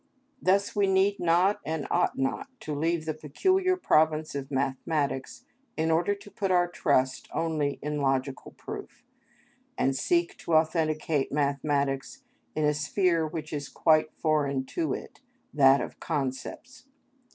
Thus we need not and ought not to leave the peculiar province of mathematics in order to put our trust only in logical proof, and seek to authenticate mathematics in a sphere which is quite foreign to it, that of concepts.